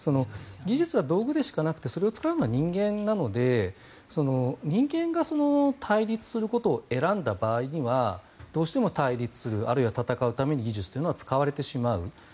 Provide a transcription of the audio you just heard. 技術は道具でしかなくてそれを使うのは人間なので人間が対立することを選んだ場合にはどうしても対立するあるいは戦うために技術というのは使われてしまう。